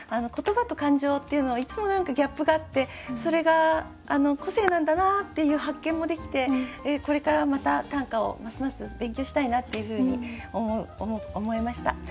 言葉と感情っていうのはいつも何かギャップがあってそれが個性なんだなっていう発見もできてこれからまた短歌をますます勉強したいなっていうふうに思いました。